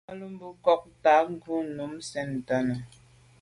A lo mbe nkôg tàa ko’ num sen ten nà.